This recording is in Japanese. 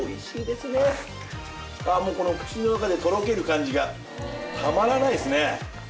ああもうこの口の中でとろける感じがたまらないですね。